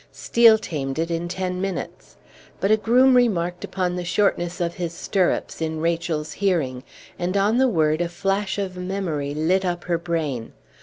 Steel tamed it in ten minutes. But a groom remarked upon the shortness of his stirrups, in Rachel's hearing, and on the word a flash of memory lit up her brain.